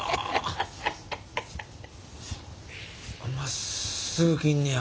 まっすぐ切んねや。